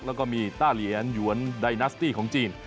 แล้วก็มีต้าเหรียญหยวนไดนัสตี้ของจีน